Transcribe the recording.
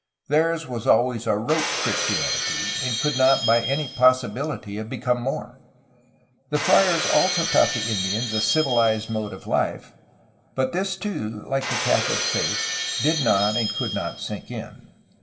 Theirs was always a rote Christianity, and could not by any possibil ty have become more. The friars also taught the Indians a civilized mode of life, but this too, like the Catholic faith, did not and could not sink in.